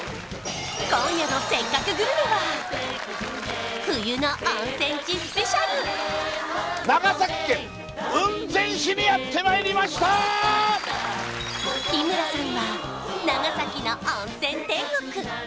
今夜の「せっかくグルメ！！」は冬の温泉地ＳＰ日村さんは長崎の温泉天国